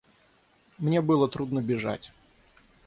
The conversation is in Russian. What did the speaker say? Мне было трудно бежать.